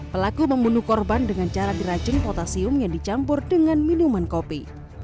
pelaku membunuh korban dengan cara diracun potasium yang dicampur dengan minuman kopi